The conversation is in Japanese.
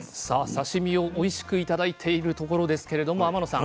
刺身をおいしく頂いているところですけれども天野さん